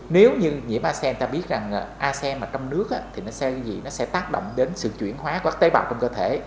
nếu như nhiễm asem ta biết rằng asem trong nước sẽ tác động đến sự chuyển hóa các tế bào trong cơ thể